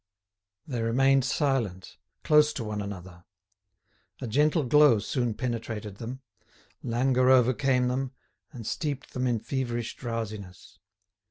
They remained silent, close to one another. A gentle glow soon penetrated them, languor overcame them, and steeped them in feverish drowsiness.